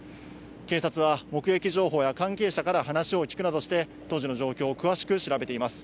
警察は目撃情報や関係者から話を聴くなどして、当時の状況を詳しく調べています。